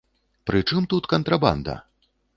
Пры чым тут кантрабанда?